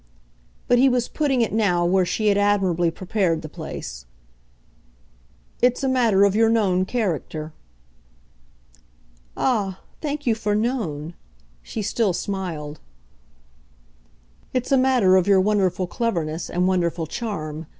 But he was putting it now where she had admirably prepared the place. "It's a matter of your known character." "Ah, thank you for 'known'!" she still smiled. "It's a matter of your wonderful cleverness and wonderful charm.